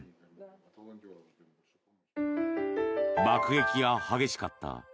爆撃が激しかった